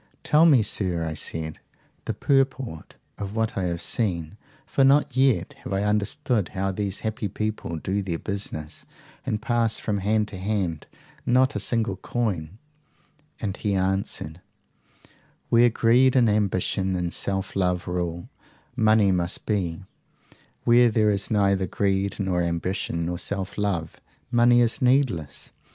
Tell me, sir, I said, the purport of what I have seen, for not yet have I understood how these happy people do their business and pass from hand to hand not a single coin I And he answered, Where greed and ambition and self love rule, money must be: where there is neither greed nor ambition nor self love, money is needless.